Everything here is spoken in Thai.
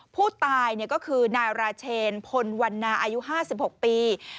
ผู้ตายก็คือนายราเชนพลวันนาอายุ๕๖ปี